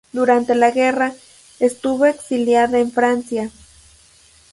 Durante la guerra, estuvo exiliada en Francia.